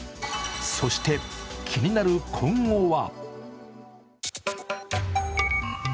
そして気になる今後は？